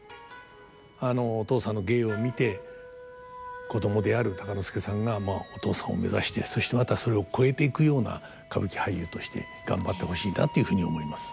あのお父さんの芸を見て子供である鷹之資さんがお父さんを目指してそしてまたそれを超えていくような歌舞伎俳優として頑張ってほしいなっていうふうに思います。